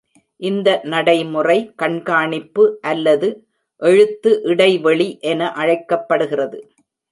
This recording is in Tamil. இந்த நடைமுறை கண்காணிப்பு அல்லது எழுத்து இடைவெளி என அழைக்கப்படுகிறது.